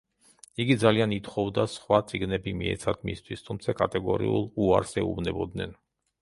იგი ძალიან ითხოვდა სხვა წიგნები მიეცათ მისთვის, თუმცა კატეგორიულ უარს ეუბნებოდნენ.